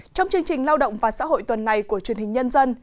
trong chương trình lao động và xã hội tuần này của truyền hình nhân dân